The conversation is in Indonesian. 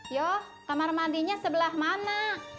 yo kamar mandinya sebelah mana